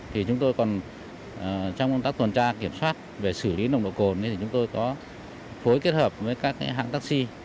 trong công tác tuần tra kiểm soát về xử lý nồng độ cồn thì chúng tôi có phối kết hợp với các hãng taxi